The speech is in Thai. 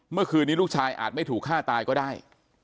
เมื่อคืนนี้ลูกชายอาจไม่ถูกฆ่าตายก็ได้